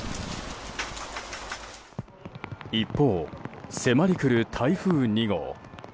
一方、迫りくる台風２号。